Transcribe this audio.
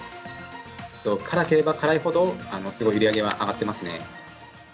辛ければ辛いほど、すごい売り上げは上がってますね。